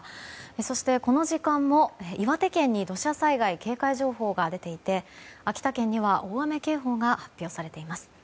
そして、この時間も岩手県に土砂災害警戒情報が出ていて秋田県には大雨警報が発表されています。